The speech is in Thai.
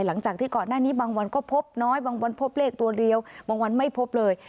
หลังจากที่ก่อนหน้านี้บางวันก็พบน้อยบางวันพบเลขตัวเดียวบางวันไม่พบเลย